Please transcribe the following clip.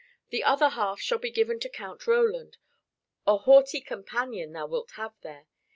The other half shall be given to Count Roland a haughty companion thou wilt have there.